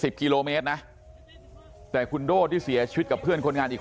พวกมันกลับมาเมื่อเวลาที่สุดพวกมันกลับมาเมื่อเวลาที่สุด